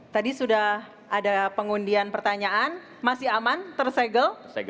tadi sudah ada pengundian pertanyaan masih aman tersegel